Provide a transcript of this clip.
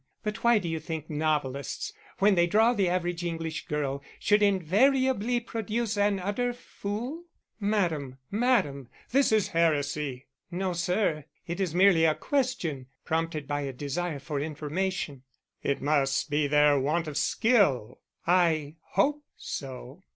But why do you think novelists, when they draw the average English girl, should invariably produce an utter fool?"_ "Madam, Madam, this is heresy." "No, sir, it is merely a question prompted by a desire for information." "It must be their want of skill." _"I hope so."